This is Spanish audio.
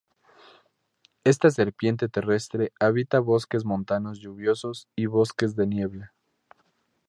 Esta serpiente terrestre habita bosques montanos lluviosos y bosques de niebla.